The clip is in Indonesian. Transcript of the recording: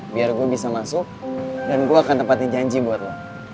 biar gue bisa masuk dan gue akan tepatnya janji buat lo